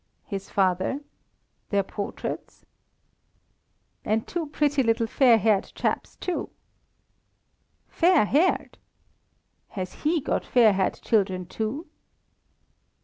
"His father? Their portraits?" "And two pretty little fair haired chaps, too!" "Fair haired! Has he got fair haired children, too?"